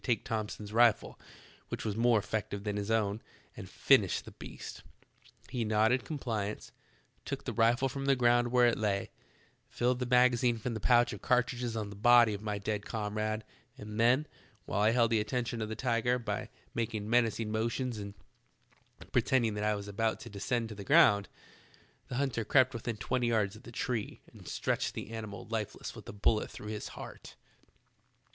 take Thomson's rifle, which was more eflective than his own, and finish the beast. He nodded compliance, took the rifle from the ground where it lay, filled the magazine from the pouch of car tridges on the body of my dead comrade, and then, while I held the attention of the tiger b}^ making menacing motions and pretending that I was about to descend to the ground, the hunter crept within twenty yards of the tree and stretched the animal lifeless with a bullet through his heart.